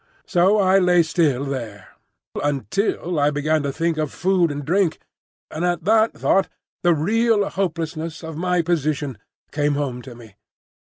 So I lay still there, until I began to think of food and drink; and at that thought the real hopelessness of my position came home to me.